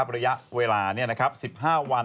ระยะเวลา๑๕วัน